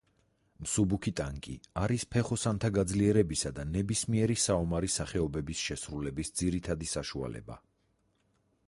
მსუბუქი ტანკი არის ფეხოსანთა გაძლიერებისა და ნებისმიერი საომარი სახეობების შესრულების ძირითადი საშუალება.